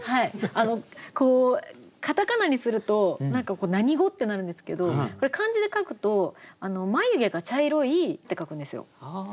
カタカナにすると何か何語？ってなるんですけどこれ漢字で書くと「眉毛が茶色い」って書くんですよ。